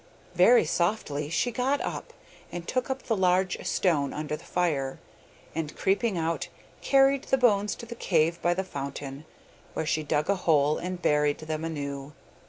Very softly she got up, and took up the large stone under the fire, and creeping out carried the bones to the cave by the fountain, where she dug a hole and buried them anew.